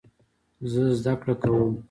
زه زده کړه کوم.